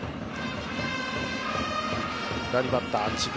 左バッター智弁